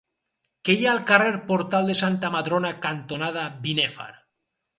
Què hi ha al carrer Portal de Santa Madrona cantonada Binèfar?